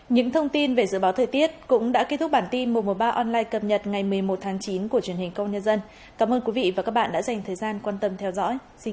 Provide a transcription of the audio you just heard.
nhiệt độ từ hai mươi ba đến ba mươi ba độ